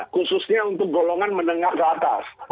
khususnya untuk golongan menengah ke atas